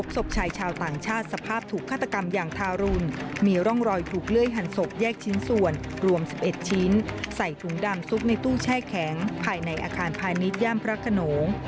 ใส่ถุงดำซุกในตู้แช่แข็งภายในอาคารพายนิดยามพระขนง